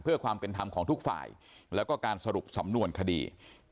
เพื่อความเป็นธรรมของทุกฝ่ายแล้วก็การสรุปสำนวนคดี